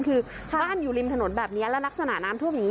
คือบ้านอยู่ริมถนนแบบนี้และลักษณะน้ำท่วมอย่างนี้